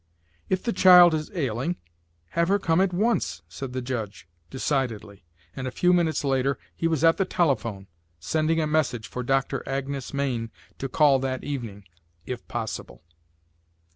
"If the child is ailing, have her come at once," said the judge, decidedly, and a few minutes later he was at the telephone, sending a message for Doctor Agnes Mayne to call that evening, if possible.